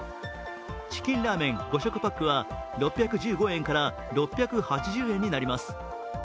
チキンラーメン５食パックは６１５円から６８０円になります。